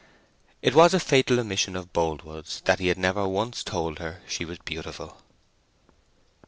It was a fatal omission of Boldwood's that he had never once told her she was beautiful.